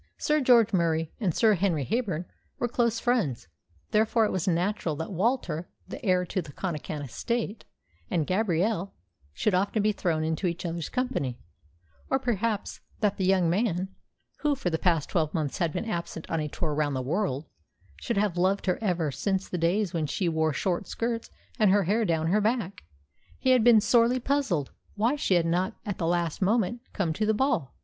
Sir George Murie and Sir Henry Heyburn were close friends; therefore it was but natural that Walter, the heir to the Connachan estate, and Gabrielle should often be thrown into each other's company, or perhaps that the young man who for the past twelve months had been absent on a tour round the world should have loved her ever since the days when she wore short skirts and her hair down her back. He had been sorely puzzled why she had not at the last moment come to the ball.